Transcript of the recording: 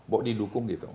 bawa didukung gitu